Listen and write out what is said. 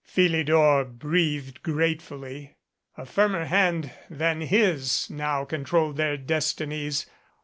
Philidor breathed gratefully. A firmer hand than his now controlled their destinies.